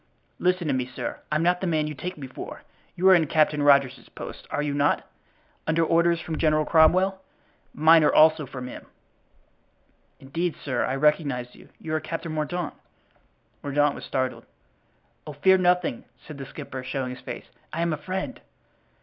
"Listen to me, sir. I'm not the man you take me for; you are in Captain Rogers's post, are you not? under orders from General Cromwell. Mine, also, are from him!" "Indeed, sir, I recognize you; you are Captain Mordaunt." Mordaunt was startled. "Oh, fear nothing," said the skipper, showing his face. "I am a friend."